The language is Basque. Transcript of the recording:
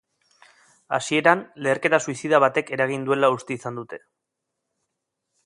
Hasieran, leherketa suizida batek eragin duela uste izan dute.